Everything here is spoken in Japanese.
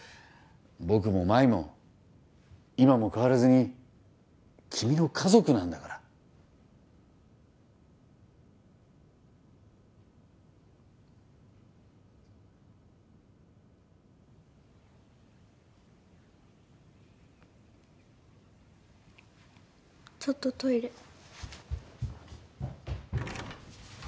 僕も麻衣も今も変わらずに君の家族なんだからちょっとトイレ